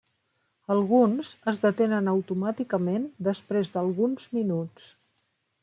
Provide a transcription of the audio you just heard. Alguns es detenen automàticament després d'alguns minuts.